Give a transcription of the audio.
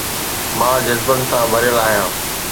مان جذبن سان ڀريل آهيان